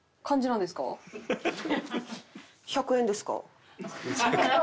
１００円です。